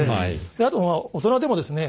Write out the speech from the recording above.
あとは大人でもですね